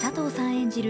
演じる